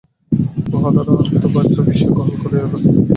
উহা দ্বারা আত্মা বাহ্য বিষয় গ্রহণ করিয়া থাকেন।